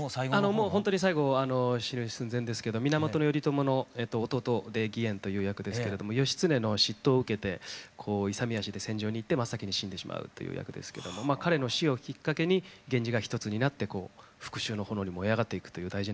もうほんとに最後死ぬ寸前ですけど源頼朝の弟で義円という役ですけれども義経の嫉妬を受けてこう勇み足で戦場に行って真っ先に死んでしまうという役ですけども彼の死をきっかけに源氏が一つになってこう復しゅうの炎に燃え上がっていくという大事な役どころだったので。